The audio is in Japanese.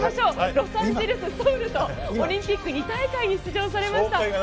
ロサンゼルス、ソウルとオリンピック２大会に出場されました。